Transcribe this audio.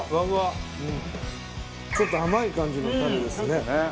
ちょっと甘い感じのタレですね。